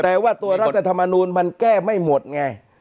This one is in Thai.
แต่ว่าตัวรัฐธรรมนูลมันแก้ไม่หมดไง